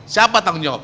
siapa tanggung jawab